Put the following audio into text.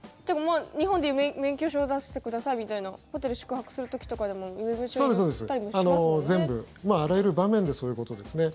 日本で言う免許証出してくださいみたいなホテル宿泊する時とかでも身分証やったりもしますもんね。